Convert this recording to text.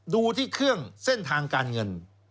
ดูที่เครื่องเส้นทางการเงิน